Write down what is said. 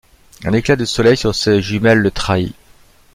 Un éclat de soleil sur ses jumelles le trahit.